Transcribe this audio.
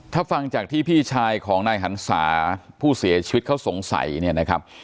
ถ้าฟังจากที่พี่ชายของนายหันศาผู้เสียชีวิตเขาสงสัยเนี่ยนะครับ